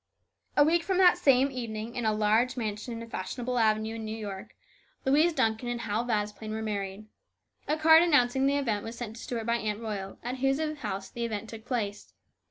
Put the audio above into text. A week from that same evening, in a large mansion in a fashionable avenue in New York, Louise Duncan and Hal Vasplaine were married. A card announcing the event was sent to Stuart by Aunt Royal, at whose house the event took place.